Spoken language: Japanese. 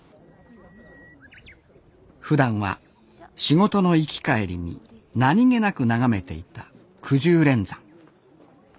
ふだんは仕事の行き帰りに何気なく眺めていたくじゅう連山。